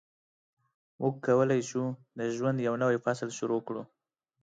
موږ کولای شو د ژوند یو نوی فصل شروع کړو.